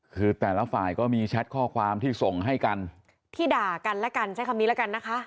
คือแต่ละฝ่ายก็มีแชทข้อความที่ส่งให้กันที่ด่ากันและกันใช้คำนี้แล้วกันนะคะ